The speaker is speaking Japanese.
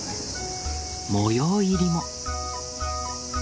模様入りも。